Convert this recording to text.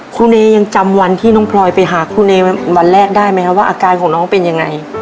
ครูเอยังจำวันที่น้องพลอยไปหาครูเอวันแรกได้ไหมครับว่าอาการของน้องเป็นยังไง